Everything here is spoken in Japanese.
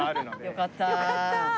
よかったあ。